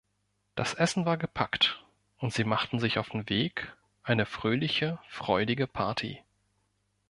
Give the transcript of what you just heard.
Das Essen war gepackt, und sie machten sich auf den Weg, eine fröhliche, freudige Party.